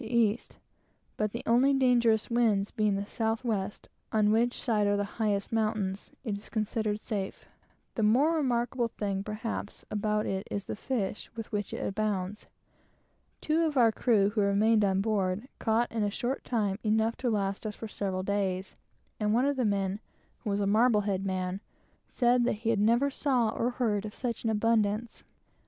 to E., but the only dangerous winds being the south west, on which side are the highest mountains, it is considered very safe. The most remarkable thing perhaps about it is the fish with which it abounds. Two of our crew, who remained on board, caught in a few minutes enough to last us for several days, and one of the men, who was a Marblehead man, said that he never saw or heard of such an abundance.